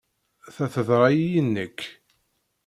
Ta teḍra-iyi i nekk.